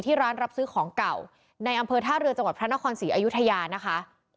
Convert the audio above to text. ร้านรับซื้อของเก่าในอำเภอท่าเรือจังหวัดพระนครศรีอยุธยานะคะ